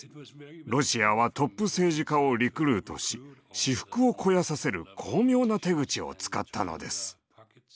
ロシアはトップ政治家をリクルートし私腹を肥やさせる巧妙な手口を使ったのです。